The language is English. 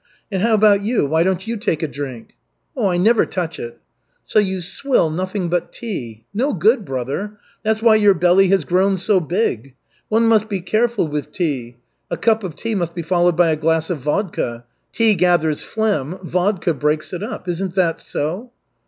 And how about you, why don't you take a drink?" "I never touch it." "So you swill nothing but tea. No good, brother. That's why your belly has grown so big. One must be careful with tea. A cup of tea must be followed by a glass of vodka. Tea gathers phlegm, vodka breaks it up. Isn't that so?"